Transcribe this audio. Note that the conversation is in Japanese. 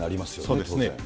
そうですね。